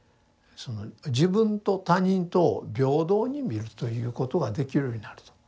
その自分と他人とを平等に観るということができるようになると。